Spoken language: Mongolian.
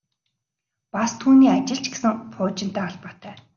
Бас түүний ажил ч гэсэн пуужинтай холбоотой.